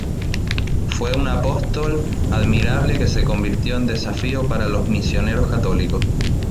Fue un apóstol admirable que se convirtió en desafío para los Misioneros católicos.